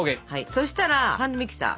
そしたらハンドミキサー。